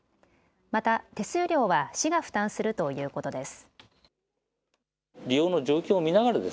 また手数料は市が負担するということです。